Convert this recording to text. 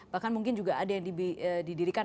bahkan mungkin juga ada yang didirikan